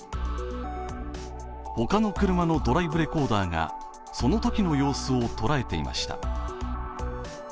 他の車のドライブレコーダーがそのときの様子を捉えていました。